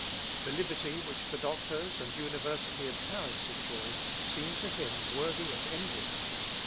The liberty which the doctors and university of Paris enjoyed seemed to him worthy of envy.